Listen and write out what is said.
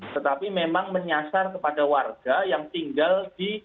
tetapi memang menyasar kepada warga yang tinggal di